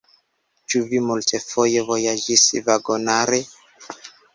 Ĉu vi multfoje vojaĝis vagonare?